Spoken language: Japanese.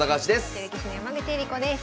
女流棋士の山口恵梨子です。